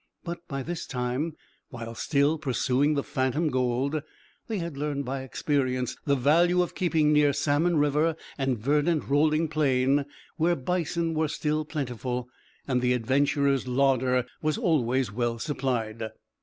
But by this time, while still pursuing the phantom gold, they had learned by experience the value of keeping near salmon river and verdant rolling plain where bison were still plentiful, and the adventurers' larder was always well supplied.